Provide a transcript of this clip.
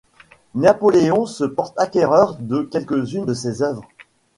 Napoléon se porte acquéreur de quelques-unes de ses œuvres.